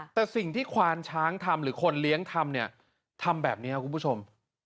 แต่สิ่งที่ควานช้างทำหรือคนเลี้ยงทำเนี่ยทำแบบนี้ครับคุณผู้ชม